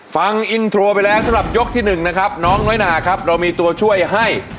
ฟังอินโทรไปแล้วสำหรับยกที่๑นะครับน้องน้อยนาครับเรามีตัวช่วยให้